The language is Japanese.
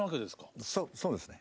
そうですね。